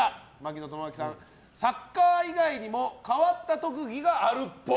サッカー以外にも変わった特技があるっぽい。